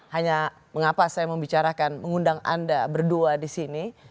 hanya mengapa saya membicarakan mengundang anda berdua di sini